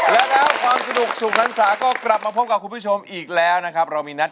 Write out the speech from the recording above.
๒ล้านลูกทุ่งสู่ชีวิต